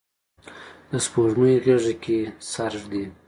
د سپوږمۍ غیږه کې سر ږدي